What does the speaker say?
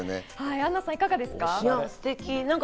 アンナさん、いかがですか？